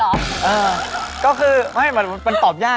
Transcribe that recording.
เออก็คือไม่มันตอบยากนะครับมันตอบยาก